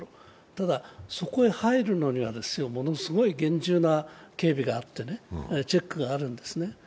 ただ、そこへ入るのにはものすごい厳重な警備があってチェックがあるんですね。